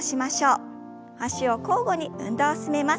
脚を交互に運動を進めます。